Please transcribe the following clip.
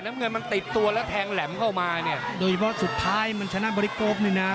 น้ำเงินมันติดตัวแล้วแทงแหลมเข้ามาเนี่ยโดยเฉพาะสุดท้ายมันชนะบริโกร๊กนี่นะ